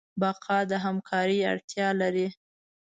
بقا د همکارۍ اړتیا لري.